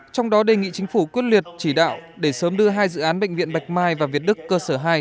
trong đó đề nghị chính phủ quyết liệt chỉ đạo để sớm đưa hai dự án bệnh viện bạch mai và việt đức cơ sở hai